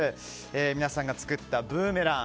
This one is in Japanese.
皆さんが作ったブーメラン。